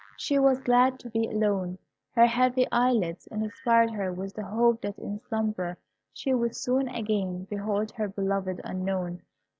She was glad to be alone. Her heavy eyelids inspired her with the hope that in slumber she would soon again behold her beloved Unknown.